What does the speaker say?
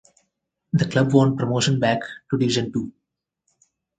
The club won promotion back to Division Two.